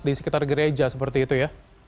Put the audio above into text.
di sekitar gereja seperti itu ya